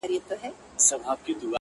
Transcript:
• دا د کوم حیوان بچی درته ښکاریږي ,